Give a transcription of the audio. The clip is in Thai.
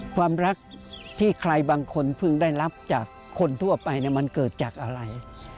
ความรักที่ใครบางคนเพิ่งได้รับจากคนทั่วไปมันเกิดจากอะไร